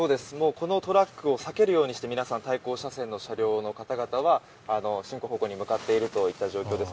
このトラックを避けるようにして皆さん、対向車線の車両の方々は進行方向に向かっているという状況です。